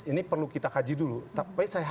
ini perlu kita kaji dulu tapi saya